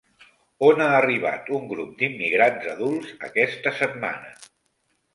On ha arribat un grup d'immigrants adults aquesta setmana?